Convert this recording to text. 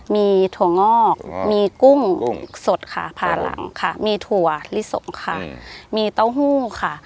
มีถั่วงอกมีกุ้งสดค่ะผ่าหลังค่ะมีถั่วลิสงค่ะมีเต้าหู้ค่ะ